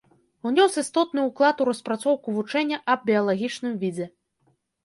Унёс істотны ўклад у распрацоўку вучэння аб біялагічным відзе.